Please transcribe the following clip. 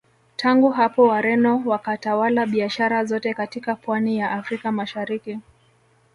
Tangu hapo Wareno wakatawala biashara zote katika Pwani ya Afrika Mashariki